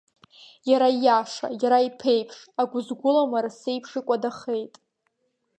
Иара ииаша, иара иԥеиԥш, агәы згәылам арасеиԥш, икәадахеит!